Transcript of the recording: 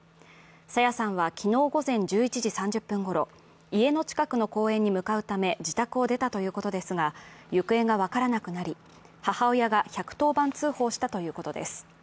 朝芽さんは昨日午前１１時３０分ごろ、家の近くの公園に向かうため自宅を出たということですが、行方が分からなくなり、母親が１１０番通報したということです。